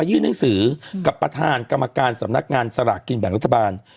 ยื่นหนังสือกับประธานกรรมการสำนักงานสลากกินแบ่งรัฐบาล